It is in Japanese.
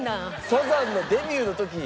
サザンのデビューの時。